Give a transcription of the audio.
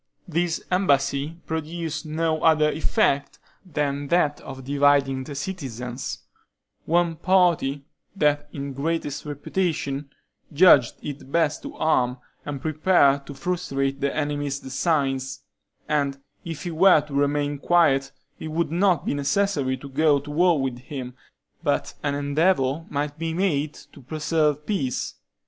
This embassy produced no other effect than that of dividing the citizens; one party, that in greatest reputation, judged it best to arm, and prepare to frustrate the enemy's designs; and if he were to remain quiet, it would not be necessary to go to war with him, but an endeavor might be made to preserve peace.